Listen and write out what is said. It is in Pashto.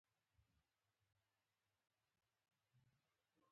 د دې هېوادونو ترمنځ د پاموړ توپیرونه شته.